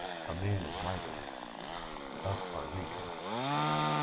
A man is writing. Us are reading."